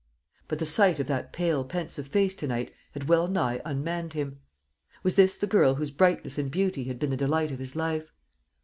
But the sight of that pale pensive face to night had well nigh unmanned him. Was this the girl whose brightness and beauty had been the delight of his life?